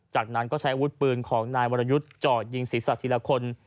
จากนั้นก็ใช้อาวุธปืนของนายวรยุทธ์จอดยิงศีรษะทีละคน